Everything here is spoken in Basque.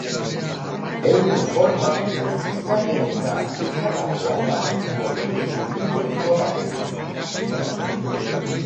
Euren forma zizareena bezalakoa da, gorputz zilindriko batekin.